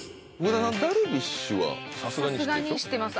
さすがに知ってます